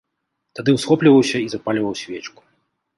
Тады ўсхопліваўся і запальваў свечку.